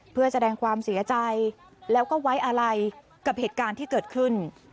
เพื่อแสดงความเสียใจแล้วก็ไว้อะไรกับเหตุการณ์ที่เกิดขึ้น